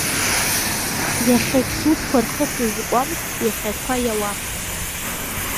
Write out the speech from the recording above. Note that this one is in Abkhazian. Иахьагь сусқәа рхы сызкуам, иахьа ақәа иауам.